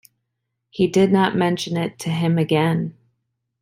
He did not mention it to him again.